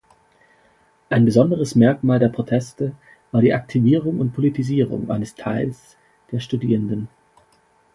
Ein besonderes Merkmal der Proteste war die Aktivierung und Politisierung eines Teils der Studierenden.